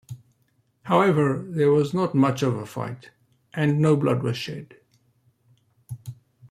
However, there was not much of a fight, and no blood was shed.